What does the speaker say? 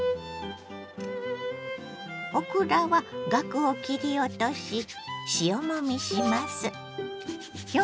オクラはガクを切り落とし塩もみします。